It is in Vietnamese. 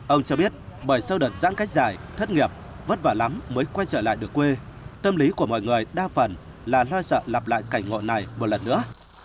ông cho biết bởi sau đợt giãn cách dài thất nghiệp vất vả lắm mới quay trở lại được quê tâm lý của mọi người đa phần là lo sợ lặp lại cảnh ngọt này một lần nữa